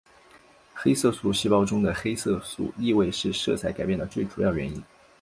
黑色素细胞中的黑色素易位是色彩改变的最主要原因。